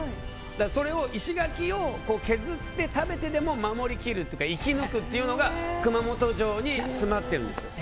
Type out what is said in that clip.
それを石垣を削って食べてでも守りきるというか生き抜くというのが熊本城に詰まっているんです。